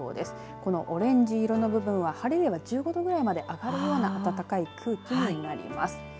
このオレンジ色の部分は晴れれば１５度ぐらいまで上がるような暖かい空気になります。